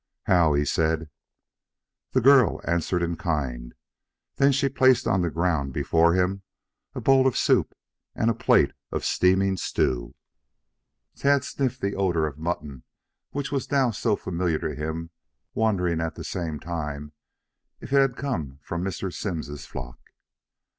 "How," he said. The girl answered in kind. Then she placed on the ground before him a bowl of soup and a plate of steaming stew. Tad sniffed the odor of mutton, which now was so familiar to him, wondering at the same time, if it had come from Mr. Simms's flock.